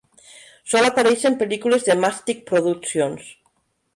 Sol aparèixer en pel·lícules de Matchstick Productions.